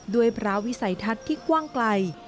ด้วยพระวิสัยทัศน์ที่กว้างไกล